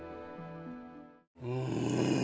うん！